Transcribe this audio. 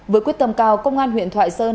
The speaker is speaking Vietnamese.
với quyết tâm cao công an huyện thoại sơn